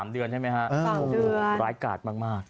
๓เดือนใช่ไหมฮะโรงโรงรายการมาก๓เดือน